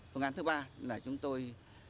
phương án thứ ba là chúng tôi